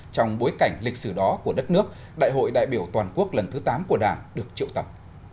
trong bối cảnh lịch sử đó của đất nước đại hội đại biểu toàn quốc lần thứ tám của đảng được triệu tập